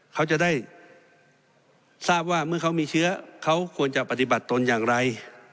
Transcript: เขาจะได้ทราบว่าเมื่อเขามีเชื้อเขาควรจะปฏิบัติตนอย่างไร